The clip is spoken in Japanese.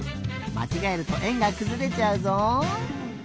まちがえるとえんがくずれちゃうぞ。